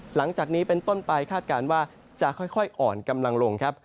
หลังจากนี้เป็นต้นไปคาดการณ์ว่าจะค่อยอ่อนกำลังลงครับ